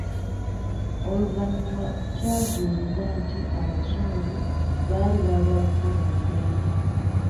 Oluvannyuma kyazuulibwa nti abazungu baali baagala kufuga Uganda.